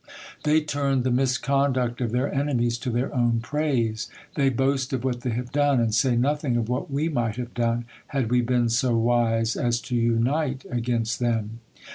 They turn the misconduct of their enemies to their own praise. They boast of what they have done, and say nothing of what we might have done, had we been so wise, as to unite against them.